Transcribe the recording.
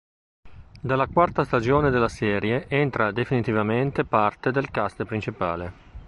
Dalla quarta stagione della serie entra definitivamente parte del cast principale.